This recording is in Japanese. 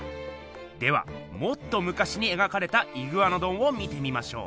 ではもっとむかしに描かれたイグアノドンを見てみましょう。